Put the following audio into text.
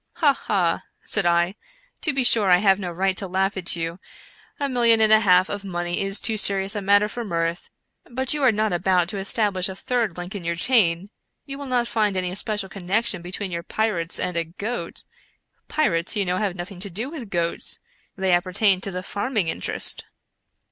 " Ha ! ha !" said I, " to be sure I have no right to laugh at you — a million and a half of money is too serious a matter for mirth — but you are not about to establish a third link in your chain — you will not find any especial connection between your pirates and a goat — pirates, you know, have nothing to do with goats ; they appertain to the farming interest."